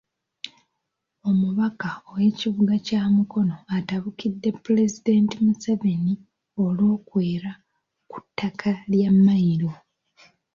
Omubaka w’ekibuga kya Mukono atabukidde Pulezidenti Museveni olw’okwera ku ttaka lya Mayiro.